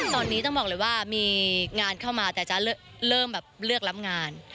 ตอนนี้ต้องบอกเลยว่ามีงานเข้ามาแต่จะเริ่มแบบเลือกรับงาน